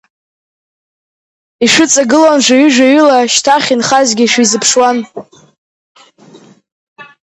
Ишәыҵагылон жәаҩы-жәаҩыла, шьҭахь инхазгьы шәизыԥшуан.